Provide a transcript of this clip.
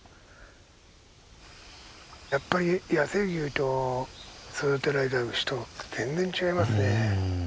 やっぱり野生牛と育てられた牛と全然違いますね。